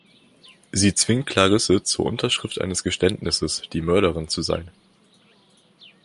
Sie zwingt Clarisse zur Unterschrift eines Geständnisses, die Mörderin zu sein.